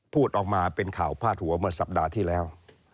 พูดออกมาเป็นข่าวพาดหัวเมื่อสัปดาห์ที่แล้ว